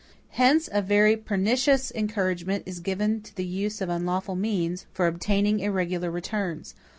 Hence, a very pernicious encouragement is given to the use of unlawful means, for obtaining irregular returns.